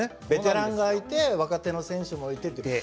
ベテランがいて若手の選手もいてって。